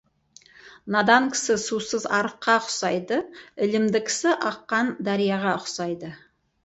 Надан кісі сусыз арыққа ұқсайды, ілімді кісі аққан дарияға ұқсайды.